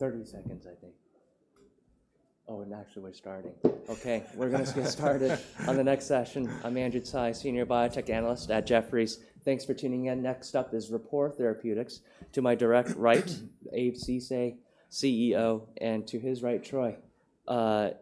30 seconds, I think. Oh, and actually, we're starting. Okay, we're going to get started on the next session. I'm Andrew Tsai, Senior Biotech Analyst at Jefferies. Thanks for tuning in. Next up is Rapport Therapeutics, to my direct right, Abe Ceesay, CEO, and to his right, Troy Ignelzi,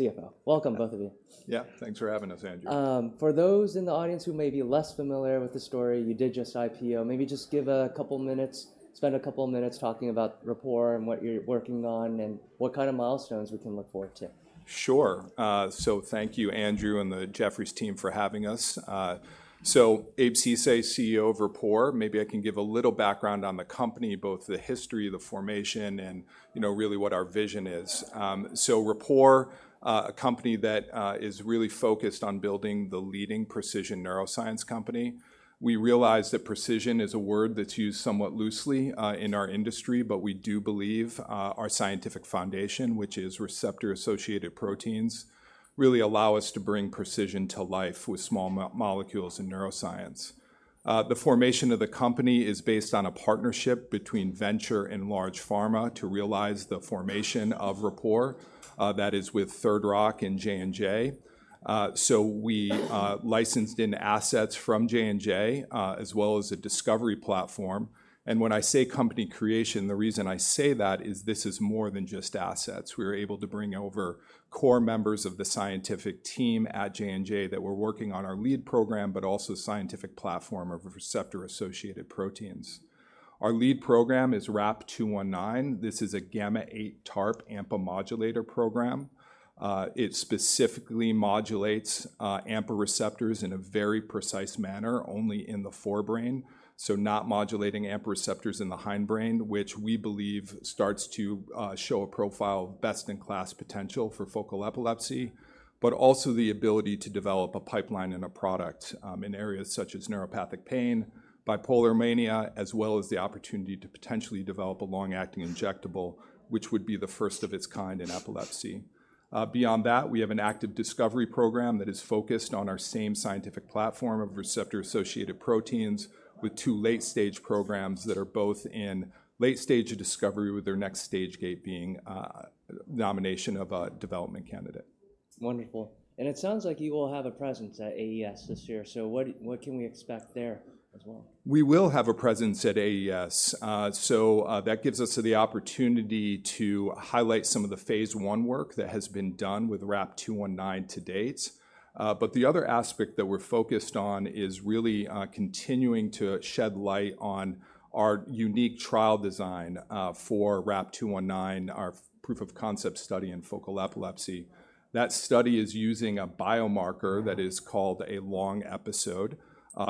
CFO. Welcome, both of you. Yeah, thanks for having us, Andrew. For those in the audience who may be less familiar with the story, you did just IPO. Maybe just give a couple minutes, spend a couple minutes talking about Rapport and what you're working on and what kind of milestones we can look forward to. Sure. So thank you, Andrew, and the Jefferies team for having us. So Abe Ceesay, CEO of Rapport. Maybe I can give a little background on the company, both the history, the formation, and really what our vision is. So Rapport, a company that is really focused on building the leading precision neuroscience company. We realize that precision is a word that's used somewhat loosely in our industry, but we do believe our scientific foundation, which is receptor-associated proteins, really allows us to bring precision to life with small molecules in neuroscience. The formation of the company is based on a partnership between venture and large pharma to realize the formation of Rapport. That is with Third Rock and J&J. So we licensed in assets from J&J, as well as a discovery platform. When I say company creation, the reason I say that is this is more than just assets. We were able to bring over core members of the scientific team at J&J that were working on our lead program, but also scientific platform of receptor-associated proteins. Our lead program is RAP-219. This is a gamma-8 TARP AMPA modulator program. It specifically modulates AMPA receptors in a very precise manner, only in the forebrain, so not modulating AMPA receptors in the hindbrain, which we believe starts to show a profile of best-in-class potential for focal epilepsy, but also the ability to develop a pipeline and a product in areas such as neuropathic pain, bipolar mania, as well as the opportunity to potentially develop a long-acting injectable, which would be the first of its kind in epilepsy. Beyond that, we have an active discovery program that is focused on our same scientific platform of receptor-associated proteins with two late-stage programs that are both in late-stage discovery, with their next stage gate being nomination of a development candidate. Wonderful. And it sounds like you will have a presence at AES this year. So what can we expect there as well? We will have a presence at AES. So that gives us the opportunity to highlight some of the phase 1 work that has been done with RAP-219 to date. But the other aspect that we're focused on is really continuing to shed light on our unique trial design for RAP-219, our proof of concept study in focal epilepsy. That study is using a biomarker that is called a long episode.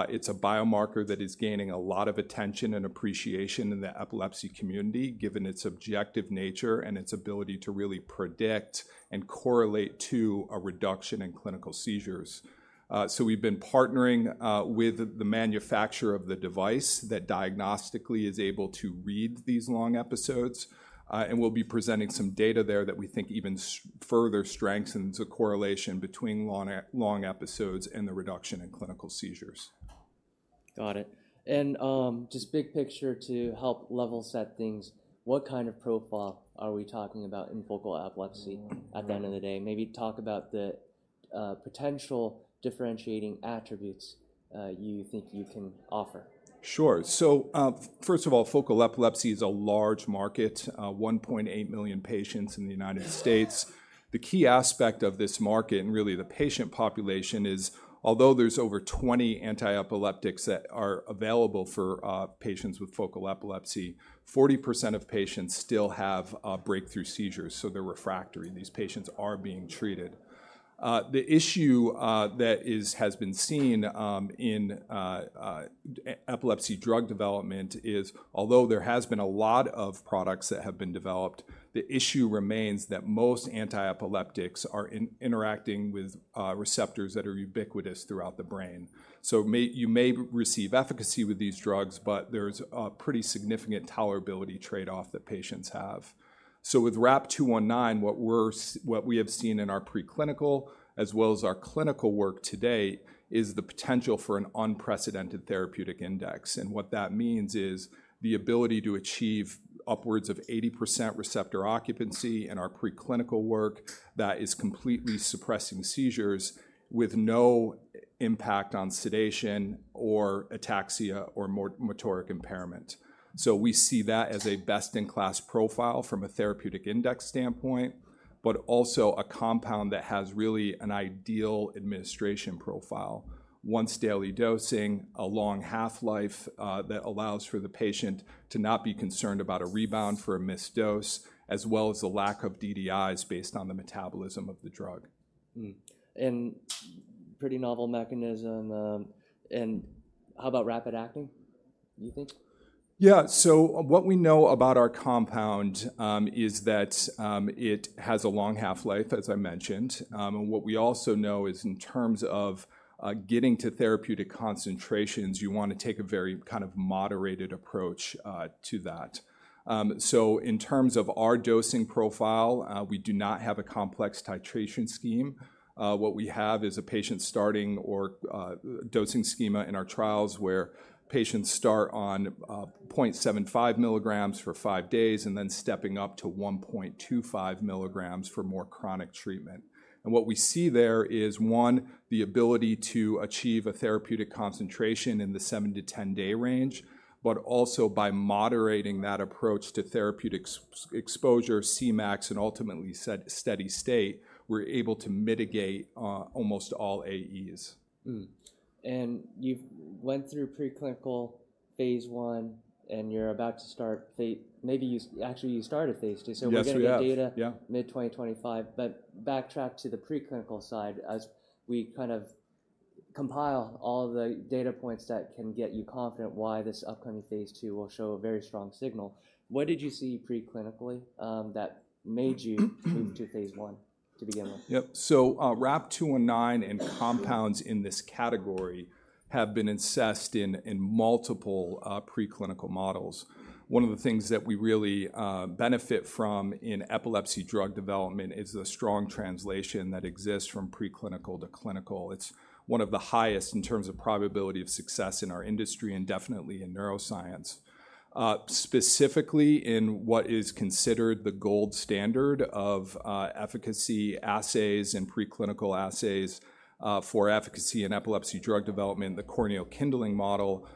It's a biomarker that is gaining a lot of attention and appreciation in the epilepsy community, given its objective nature and its ability to really predict and correlate to a reduction in clinical seizures. So we've been partnering with the manufacturer of the device that diagnostically is able to read these long episodes, and we'll be presenting some data there that we think even further strengthens the correlation between long episodes and the reduction in clinical seizures. Got it. And just big picture to help level set things, what kind of profile are we talking about in focal epilepsy at the end of the day? Maybe talk about the potential differentiating attributes you think you can offer. Sure. So first of all, focal epilepsy is a large market, 1.8 million patients in the United States. The key aspect of this market, and really the patient population, is although there's over 20 anti-epileptics that are available for patients with focal epilepsy, 40% of patients still have breakthrough seizures, so they're refractory. These patients are being treated. The issue that has been seen in epilepsy drug development is, although there has been a lot of products that have been developed, the issue remains that most anti-epileptics are interacting with receptors that are ubiquitous throughout the brain. So you may receive efficacy with these drugs, but there's a pretty significant tolerability trade-off that patients have. So with RAP-219, what we have seen in our preclinical, as well as our clinical work today, is the potential for an unprecedented therapeutic index. What that means is the ability to achieve upwards of 80% receptor occupancy in our preclinical work that is completely suppressing seizures with no impact on sedation or ataxia or motoric impairment. We see that as a best-in-class profile from a therapeutic index standpoint, but also a compound that has really an ideal administration profile, once-daily dosing, a long half-life that allows for the patient to not be concerned about a rebound for a missed dose, as well as the lack of DDIs based on the metabolism of the drug. And pretty novel mechanism. And how about rapid acting, do you think? Yeah, so what we know about our compound is that it has a long half-life, as I mentioned, and what we also know is in terms of getting to therapeutic concentrations, you want to take a very kind of moderated approach to that, so in terms of our dosing profile, we do not have a complex titration scheme. What we have is a patient starting or dosing schema in our trials where patients start on 0.75 milligrams for five days and then stepping up to 1.25 milligrams for more chronic treatment, and what we see there is, one, the ability to achieve a therapeutic concentration in the seven- to 10-day range, but also by moderating that approach to therapeutic exposure, Cmax, and ultimately steady state, we're able to mitigate almost all AEs. And you've went through preclinical phase 1, and you're about to start phase, maybe actually you started phase 2. So we're getting data mid-2025. But backtrack to the preclinical side, as we kind of compile all the data points that can get you confident why this upcoming phase 2 will show a very strong signal. What did you see preclinically that made you move to phase 1 to begin with? Yep. So RAP-219 and compounds in this category have been assessed in multiple preclinical models. One of the things that we really benefit from in epilepsy drug development is the strong translation that exists from preclinical to clinical. It's one of the highest in terms of probability of success in our industry and definitely in neuroscience. Specifically in what is considered the gold standard of efficacy assays and preclinical assays for efficacy in epilepsy drug development, the corneal kindling model,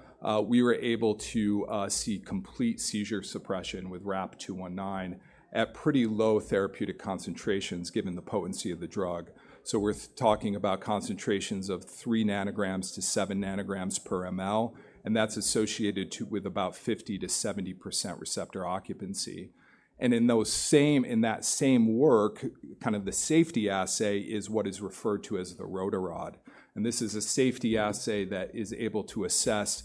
we were able to see complete seizure suppression with RAP-219 at pretty low therapeutic concentrations given the potency of the drug. So we're talking about concentrations of three nanograms-seven nanograms per ml, and that's associated with about 50%-70% receptor occupancy. And in that same work, kind of the safety assay is what is referred to as the Rotarod. And this is a safety assay that is able to assess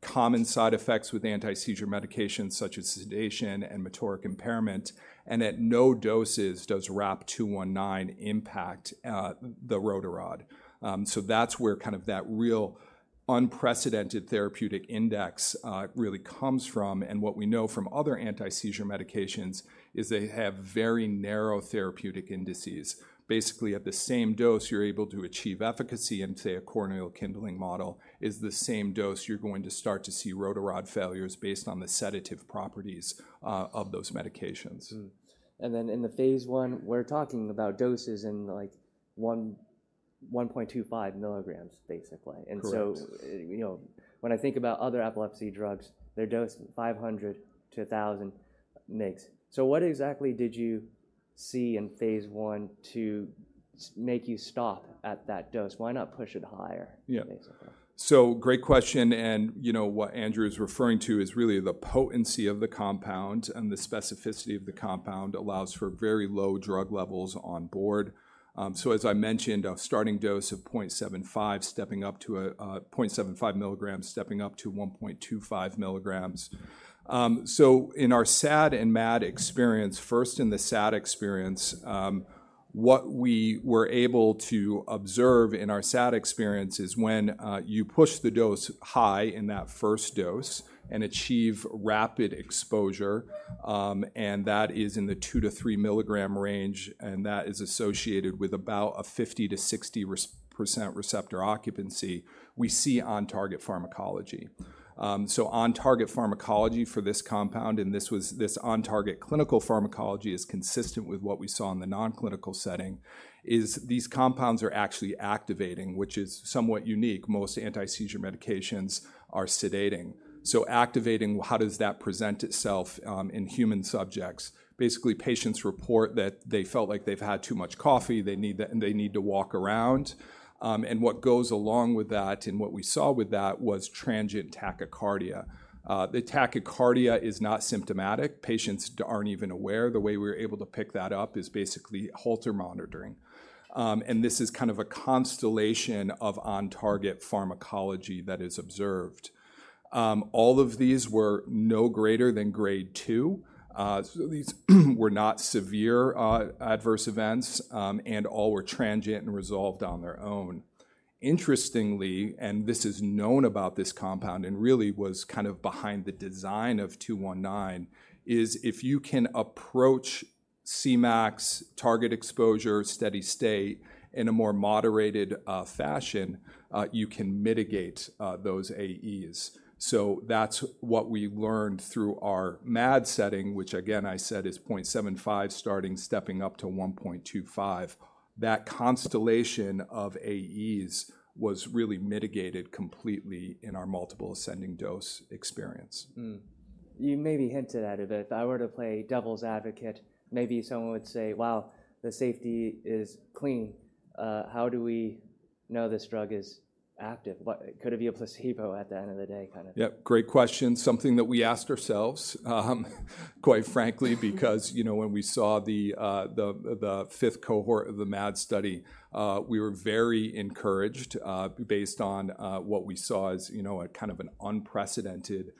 common side effects with anti-seizure medications such as sedation and motoric impairment, and at no doses does RAP-219 impact the Rotarod. So that's where kind of that real unprecedented therapeutic index really comes from. And what we know from other anti-seizure medications is they have very narrow therapeutic indices. Basically, at the same dose, you're able to achieve efficacy in, say, a corneal kindling model. It's the same dose you're going to start to see Rotarod failures based on the sedative properties of those medications. And then in the phase 1, we're talking about doses in 1.25 milligrams, basically. And so when I think about other epilepsy drugs, their dose 500-1,000 mg. So what exactly did you see in phase 1 to make you stop at that dose? Why not push it higher, basically? Yeah. So great question. And what Andrew is referring to is really the potency of the compound and the specificity of the compound allows for very low drug levels on board. So as I mentioned, a starting dose of 0.75, stepping up to 0.75 milligrams, stepping up to 1.25 milligrams. So in our SAD and MAD experience, first in the SAD experience, what we were able to observe in our SAD experience is when you push the dose high in that first dose and achieve rapid exposure, and that is in the 2-3 milligram range, and that is associated with about a 50%-60% receptor occupancy, we see on-target pharmacology. So on-target pharmacology for this compound, and this on-target clinical pharmacology is consistent with what we saw in the non-clinical setting, is these compounds are actually activating, which is somewhat unique. Most anti-seizure medications are sedating. So activating, how does that present itself in human subjects? Basically, patients report that they felt like they've had too much coffee, they need to walk around. And what goes along with that, and what we saw with that, was transient tachycardia. The tachycardia is not symptomatic. Patients aren't even aware. The way we were able to pick that up is basically Holter monitoring. And this is kind of a constellation of on-target pharmacology that is observed. All of these were no greater than grade two. So these were not severe adverse events, and all were transient and resolved on their own. Interestingly, and this is known about this compound and really was kind of behind the design of 219, is if you can approach Cmax, target exposure, steady state in a more moderated fashion, you can mitigate those AEs. So that's what we learned through our MAD setting, which again, I said is 0.75 starting, stepping up to 1.25. That constellation of AEs was really mitigated completely in our multiple ascending dose experience. You maybe hinted at it, but if I were to play devil's advocate, maybe someone would say, "Wow, the safety is clean. How do we know this drug is active? Could it be a placebo at the end of the day? Yep. Great question. Something that we asked ourselves, quite frankly, because when we saw the fifth cohort of the MAD study, we were very encouraged based on what we saw as kind of an unprecedented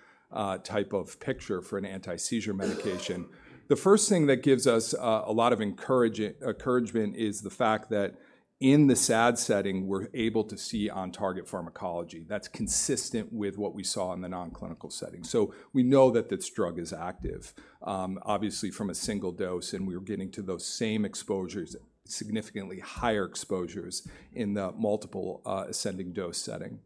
type of picture for an anti-seizure medication. The first thing that gives us a lot of encouragement is the fact that in the SAD setting, we're able to see on-target pharmacology. That's consistent with what we saw in the non-clinical setting. So we know that this drug is active, obviously from a single dose, and we were getting to those same exposures, significantly higher exposures in the multiple ascending dose setting.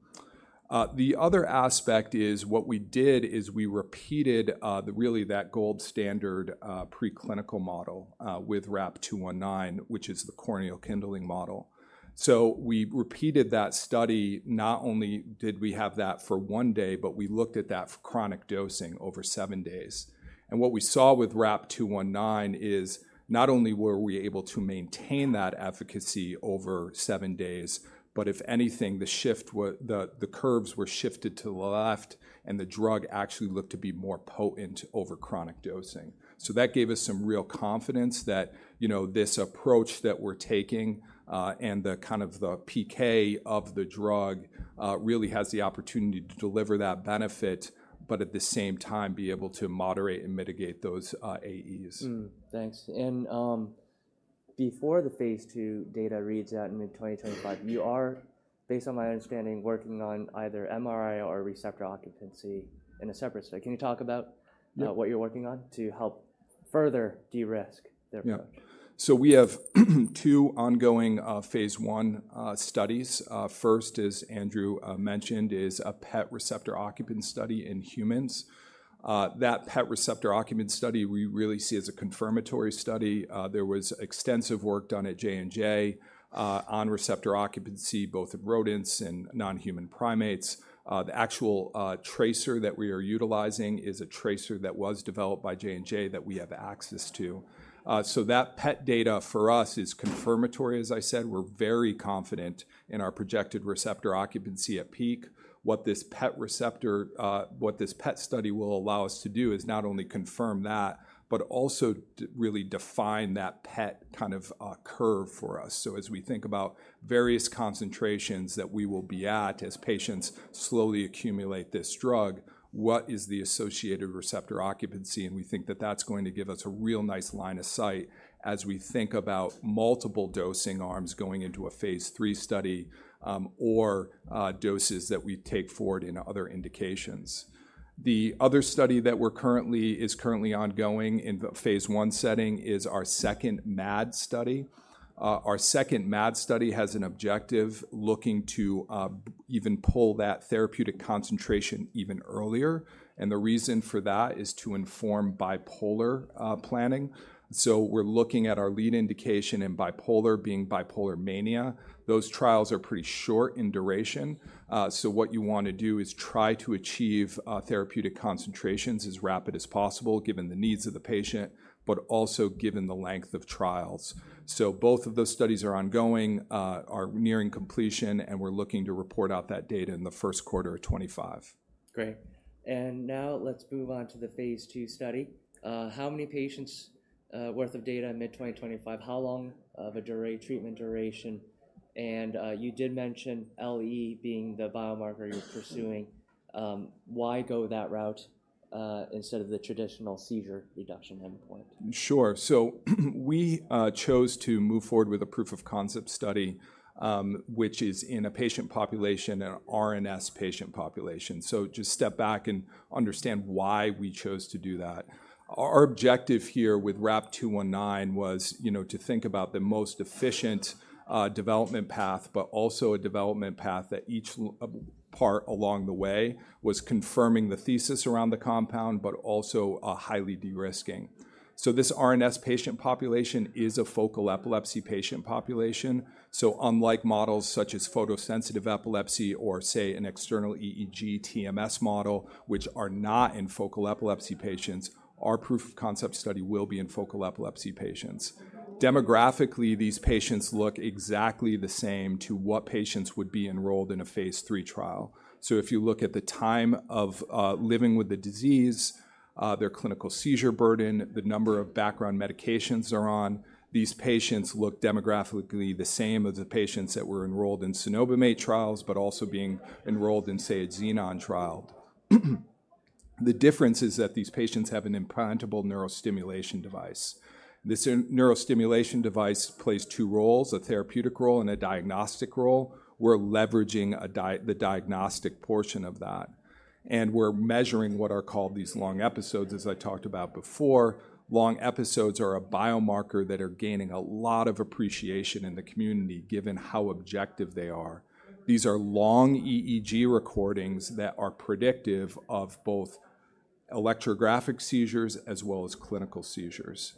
The other aspect is what we did is we repeated really that gold standard preclinical model with RAP-219, which is the corneal kindling model. So we repeated that study. Not only did we have that for one day, but we looked at that for chronic dosing over seven days. And what we saw with RAP-219 is not only were we able to maintain that efficacy over seven days, but if anything, the curves were shifted to the left, and the drug actually looked to be more potent over chronic dosing. So that gave us some real confidence that this approach that we're taking and kind of the PK of the drug really has the opportunity to deliver that benefit, but at the same time, be able to moderate and mitigate those AEs. Thanks. And before the phase 2 data reads out in mid-2025, you are, based on my understanding, working on either MRI or receptor occupancy in a separate study. Can you talk about what you're working on to help further de-risk their approach? Yeah. So we have two ongoing phase 1 studies. First, as Andrew mentioned, is a PET receptor occupancy study in humans. That PET receptor occupancy study, we really see as a confirmatory study. There was extensive work done at J&J on receptor occupancy, both in rodents and non-human primates. The actual tracer that we are utilizing is a tracer that was developed by J&J that we have access to. So that PET data for us is confirmatory. As I said, we're very confident in our projected receptor occupancy at peak. What this PET study will allow us to do is not only confirm that, but also really define that PET kind of curve for us. So as we think about various concentrations that we will be at as patients slowly accumulate this drug, what is the associated receptor occupancy? We think that that's going to give us a real nice line of sight as we think about multiple dosing arms going into a phase three study or doses that we take forward in other indications. The other study that is currently ongoing in the phase one setting is our second MAD study. Our second MAD study has an objective looking to even pull that therapeutic concentration even earlier. The reason for that is to inform bipolar planning. We're looking at our lead indication in bipolar being bipolar mania. Those trials are pretty short in duration. What you want to do is try to achieve therapeutic concentrations as rapid as possible given the needs of the patient, but also given the length of trials. So both of those studies are ongoing, are nearing completion, and we're looking to report out that data in the first quarter of 2025. Great. And now let's move on to the phase 2 study. How many patients' worth of data in mid-2025? How long of a treatment duration? And you did mention LE being the biomarker you're pursuing. Why go that route instead of the traditional seizure reduction endpoint? Sure. So we chose to move forward with a proof of concept study, which is in a patient population, an RNS patient population. So just step back and understand why we chose to do that. Our objective here with RAP-219 was to think about the most efficient development path, but also a development path that each part along the way was confirming the thesis around the compound, but also highly de-risking. So this RNS patient population is a focal epilepsy patient population. So unlike models such as photosensitive epilepsy or, say, an external EEG TMS model, which are not in focal epilepsy patients, our proof of concept study will be in focal epilepsy patients. Demographically, these patients look exactly the same to what patients would be enrolled in a phase 3 trial. If you look at the time of living with the disease, their clinical seizure burden, the number of background medications they're on, these patients look demographically the same as the patients that were enrolled in Cenobamate trials, but also being enrolled in, say, a Xenon trial. The difference is that these patients have an implantable Neurostimulation device. This Neurostimulation device plays two roles, a therapeutic role and a diagnostic role. We're leveraging the diagnostic portion of that. We're measuring what are called these long episodes, as I talked about before. Long episodes are a biomarker that are gaining a lot of appreciation in the community given how objective they are. These are long EEG recordings that are predictive of both electrographic seizures as well as clinical seizures.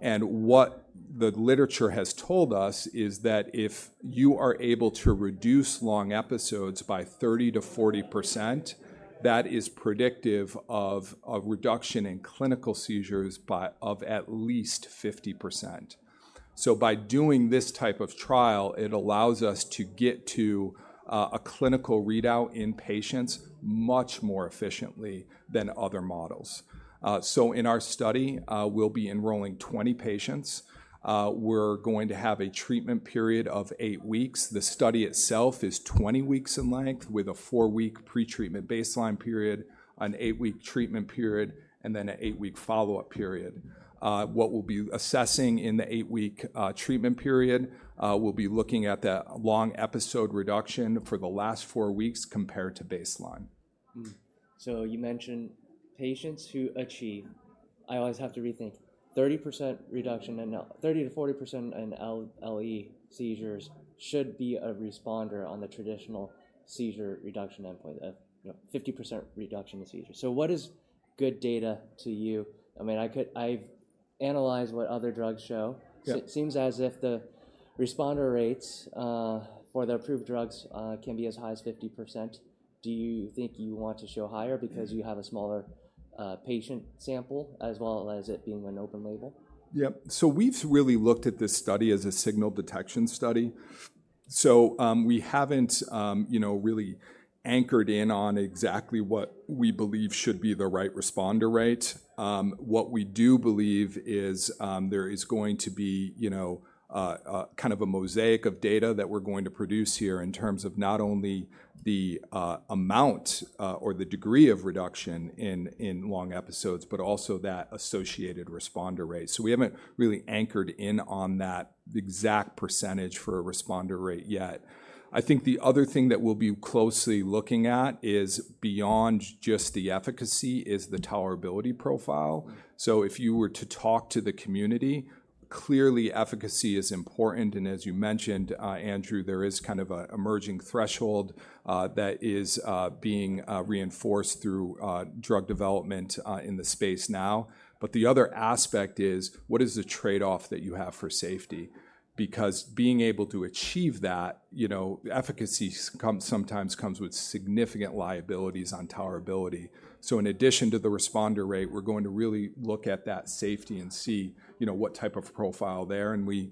What the literature has told us is that if you are able to reduce long episodes by 30%-40%, that is predictive of a reduction in clinical seizures of at least 50%. By doing this type of trial, it allows us to get to a clinical readout in patients much more efficiently than other models. In our study, we'll be enrolling 20 patients. We're going to have a treatment period of eight weeks. The study itself is 20 weeks in length with a four-week pretreatment baseline period, an eight-week treatment period, and then an eight-week follow-up period. What we'll be assessing in the eight-week treatment period, we'll be looking at that long episode reduction for the last four weeks compared to baseline. So you mentioned patients who achieve 30% reduction and 30%-40% in LE seizures should be a responder on the traditional seizure reduction endpoint of 50% reduction in seizures. So what is good data to you? I mean, I've analyzed what other drugs show. It seems as if the responder rates for the approved drugs can be as high as 50%. Do you think you want to show higher because you have a smaller patient sample as well as it being an open label? Yep. So we've really looked at this study as a signal detection study. So we haven't really anchored in on exactly what we believe should be the right responder rate. What we do believe is there is going to be kind of a mosaic of data that we're going to produce here in terms of not only the amount or the degree of reduction in long episodes, but also that associated responder rate. So we haven't really anchored in on that exact percentage for a responder rate yet. I think the other thing that we'll be closely looking at is beyond just the efficacy is the tolerability profile. So if you were to talk to the community, clearly efficacy is important. And as you mentioned, Andrew, there is kind of an emerging threshold that is being reinforced through drug development in the space now. But the other aspect is what is the trade-off that you have for safety? Because being able to achieve that, efficacy sometimes comes with significant liabilities on tolerability. So in addition to the responder rate, we're going to really look at that safety and see what type of profile there. And we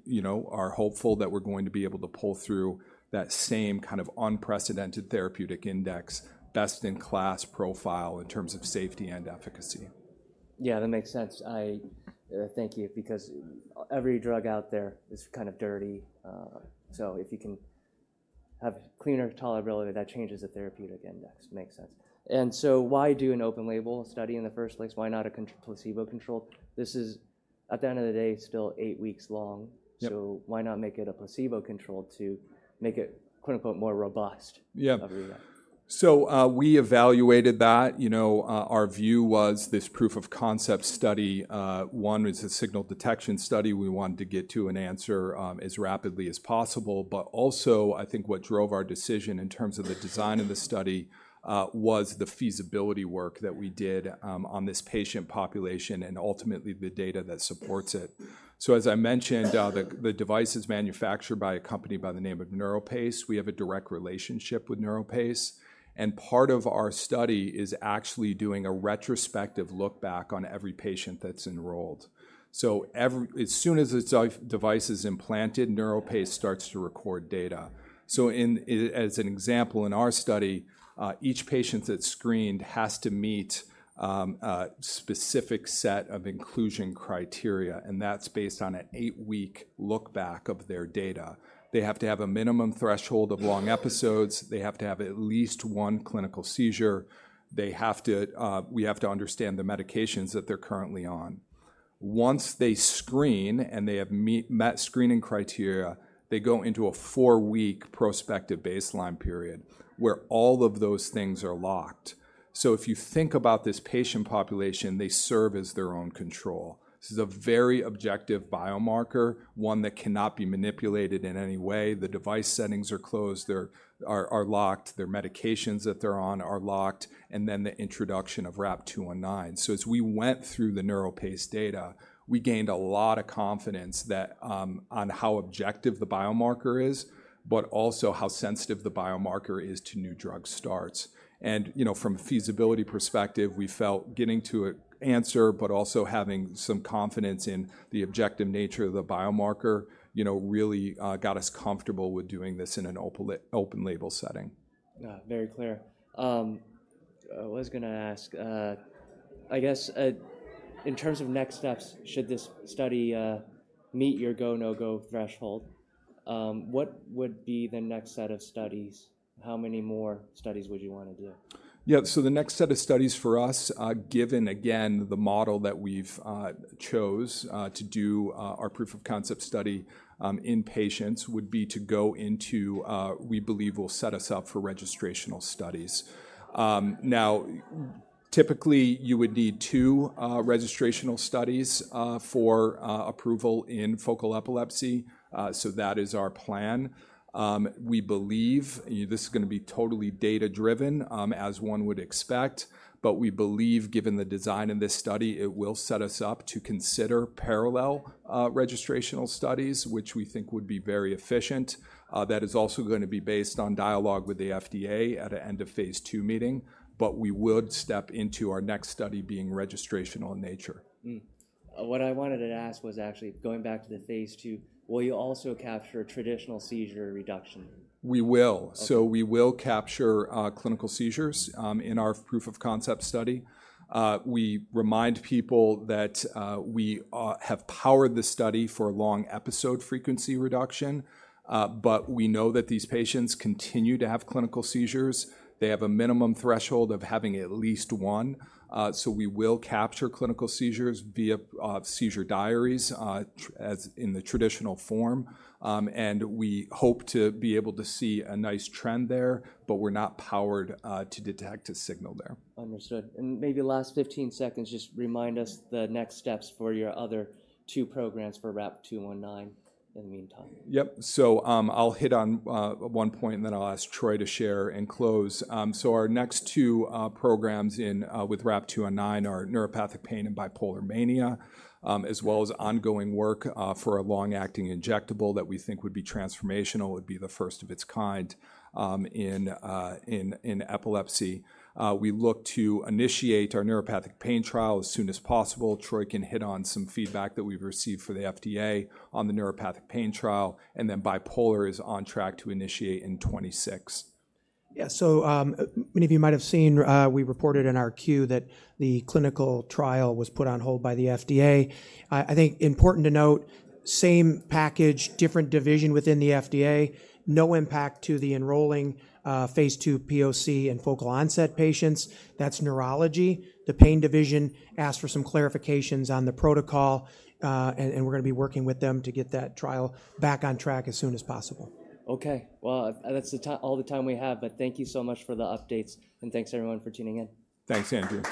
are hopeful that we're going to be able to pull through that same kind of unprecedented therapeutic index, best-in-class profile in terms of safety and efficacy. Yeah, that makes sense. I think you because every drug out there is kind of dirty. So if you can have cleaner tolerability, that changes the therapeutic index. Makes sense. And so why do an open label study in the first place? Why not a placebo-controlled? This is, at the end of the day, still eight weeks long. So why not make it a placebo-controlled to make it "more robust"? Yeah. So we evaluated that. Our view was this proof of concept study one is a signal detection study. We wanted to get to an answer as rapidly as possible. But also, I think what drove our decision in terms of the design of the study was the feasibility work that we did on this patient population and ultimately the data that supports it. So as I mentioned, the device is manufactured by a company by the name of NeuroPace. We have a direct relationship with NeuroPace. And part of our study is actually doing a retrospective look back on every patient that's enrolled. So as soon as the device is implanted, NeuroPace starts to record data. So as an example, in our study, each patient that's screened has to meet a specific set of inclusion criteria. And that's based on an eight-week look back of their data. They have to have a minimum threshold of long episodes. They have to have at least one clinical seizure. We have to understand the medications that they're currently on. Once they screen and they have met screening criteria, they go into a four-week prospective baseline period where all of those things are locked. So if you think about this patient population, they serve as their own control. This is a very objective biomarker, one that cannot be manipulated in any way. The device settings are closed, they're locked, their medications that they're on are locked, and then the introduction of RAP-219. So as we went through the NeuroPace data, we gained a lot of confidence on how objective the biomarker is, but also how sensitive the biomarker is to new drug starts. From a feasibility perspective, we felt getting to an answer, but also having some confidence in the objective nature of the biomarker really got us comfortable with doing this in an open label setting. Very clear. I was going to ask, I guess in terms of next steps, should this study meet your go, no-go threshold? What would be the next set of studies? How many more studies would you want to do? Yeah. So the next set of studies for us, given again the model that we've chose to do our proof of concept study in patients, would be to go into, we believe, will set us up for registrational studies. Now, typically, you would need two registrational studies for approval in focal epilepsy. So that is our plan. We believe this is going to be totally data-driven, as one would expect. But we believe, given the design of this study, it will set us up to consider parallel registrational studies, which we think would be very efficient. That is also going to be based on dialogue with the FDA at the end of phase two meeting. But we would step into our next study being registrational in nature. What I wanted to ask was actually going back to the phase two, will you also capture traditional seizure reduction? We will. So we will capture clinical seizures in our proof of concept study. We remind people that we have powered the study for long episode frequency reduction. But we know that these patients continue to have clinical seizures. They have a minimum threshold of having at least one. So we will capture clinical seizures via seizure diaries in the traditional form. And we hope to be able to see a nice trend there, but we're not powered to detect a signal there. Understood. And maybe last 15 seconds, just remind us the next steps for your other two programs for RAP-219 in the meantime. Yep. So I'll hit on one point, and then I'll ask Troy to share and close. So our next two programs with RAP-219 are neuropathic pain and bipolar mania, as well as ongoing work for a long-acting injectable that we think would be transformational, would be the first of its kind in epilepsy. We look to initiate our neuropathic pain trial as soon as possible. Troy can hit on some feedback that we've received for the FDA on the neuropathic pain trial. And then bipolar is on track to initiate in 2026. Yeah. So many of you might have seen we reported in our queue that the clinical trial was put on hold by the FDA. I think important to note, same package, different division within the FDA, no impact to the enrolling phase two POC and focal onset patients. That's neurology. The pain division asked for some clarifications on the protocol, and we're going to be working with them to get that trial back on track as soon as possible. Okay, well, that's all the time we have, but thank you so much for the updates, and thanks everyone for tuning in. Thanks, Andrew.